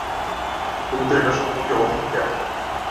তুমিই তো এটা সম্পর্কে অধিক জ্ঞাত।